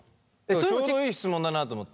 ちょうどいい質問だなと思って。